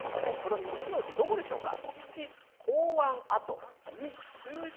３つのうちどこでしょうか。